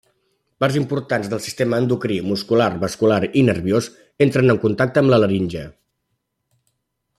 Parts importants dels sistemes endocrí, muscular, vascular i nerviós entren en contacte amb la laringe.